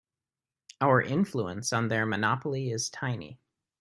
Our influence on their monopoly is tiny.